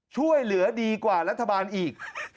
ช่วยเหลือดีกว่ารัฐบาลอีก